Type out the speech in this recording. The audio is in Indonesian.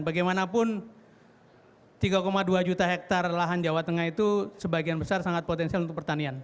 bagaimanapun tiga dua juta hektare lahan jawa tengah itu sebagian besar sangat potensial untuk pertanian